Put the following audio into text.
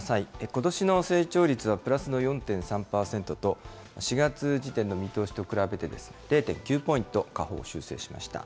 ことしの成長率はプラスの４．３％と、４月時点の見通しと比べて０．９ポイント下方修正しました。